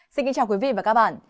xin kính chào quý vị và các bạn